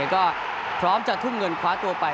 ก็พร้อมจะทุ่มเงินคว้าตัวไป